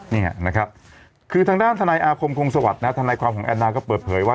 นี่นะครับคือทางด้านทนายอาคมคงสวัสดิ์นะฮะทนายความของแอนนาก็เปิดเผยว่า